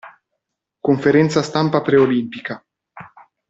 Conferenza stampa preolimpica.